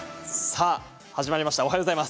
さあ、始まりました。